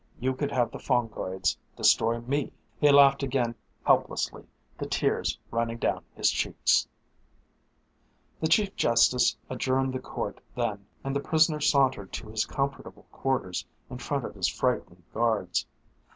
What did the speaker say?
You could have the fungoids destroy me!" He laughed again helplessly, the tears running down his cheeks. The Chief Justice adjourned the Court then and the prisoner sauntered to his comfortable quarters in front of his frightened guards.